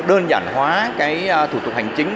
đơn giản hóa thủ tục hành chính